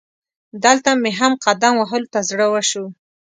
دلته مې هم قدم وهلو ته زړه وشو.